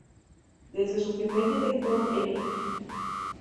Desde su primer director, el Lic.